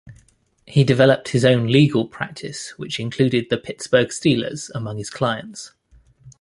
He developed his own legal practice which included the Pittsburgh Steelers among his clients.